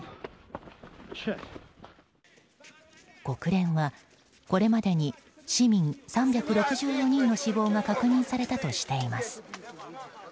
国連は、これまでに市民３６４人の死亡が確認されたとしています。